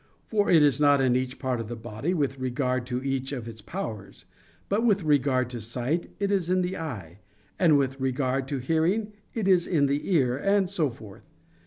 For it is not in each part of the body, with regard to each of its powers; but with regard to sight, it is in the eye; and with regard to hearing, it is in the ear; and so forth.